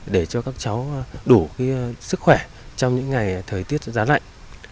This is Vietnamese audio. để cho các cháu đủ sức khỏe trong những ngày thời tiết giá lạnh